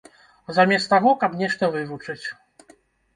Замест таго, каб нешта вывучыць.